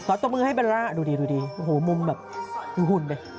ขอตัวมือให้เบลล่าดูดีโอ้โฮมุมแบบหุ่นไป